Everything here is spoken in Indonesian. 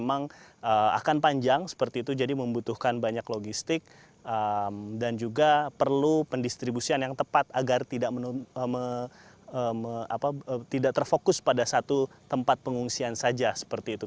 memang akan panjang seperti itu jadi membutuhkan banyak logistik dan juga perlu pendistribusian yang tepat agar tidak terfokus pada satu tempat pengungsian saja seperti itu